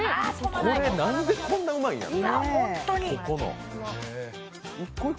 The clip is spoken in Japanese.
これ、なんでこんなうまいんやろ。